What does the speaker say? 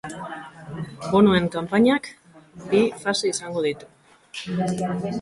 Bonuen kanpainak bi fase izango ditu.